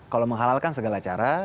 kalau menghalalkan segala cara